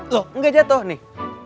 lo enggak jatuh nih